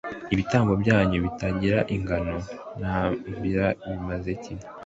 “Ibitambo byanyu bitagira ingano muntambira bimaze iki